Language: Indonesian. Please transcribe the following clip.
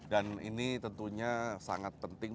dan ini tentunya sangat penting